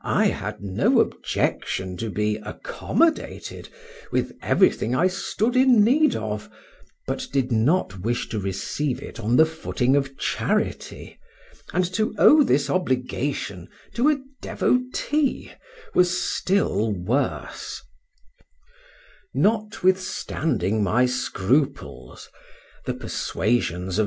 I had no objection to be accommodated with everything I stood in need of, but did not wish to receive it on the footing of charity and to owe this obligation to a devotee was still worse; notwithstanding my scruples the persuasions of M.